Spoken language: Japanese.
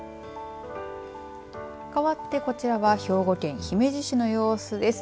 かわってこちらは兵庫県姫路市の様子です。